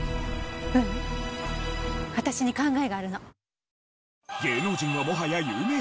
ううん私に考えがあるの。